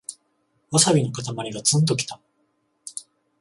ワサビのかたまりがツンときた